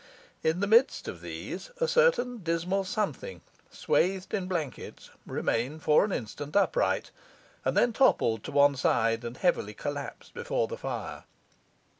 In the midst of these, a certain dismal something, swathed in blankets, remained for an instant upright, and then toppled to one side and heavily collapsed before the fire.